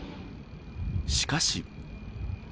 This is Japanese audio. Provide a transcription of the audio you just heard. しかし。